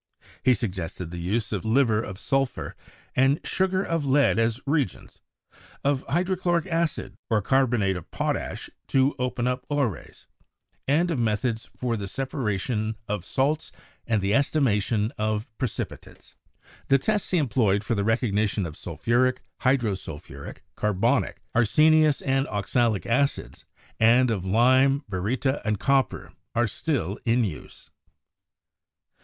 He suggested the use of subli mate, liver of sulphur, and sugar of lead as reagents; of hydrochloric acid or carbonate of potash to open up ores; 142 CHEMISTRY and of methods for the separation of salts and the estima tion of precipitates. The tests he employed for the recog nition of sulphuric, hydrosulphuric, carbonic, arsenious and oxalic acids, and of lime, baryta and copper, are still in use.